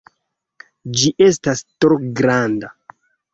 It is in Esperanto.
Ĝi estas tro granda!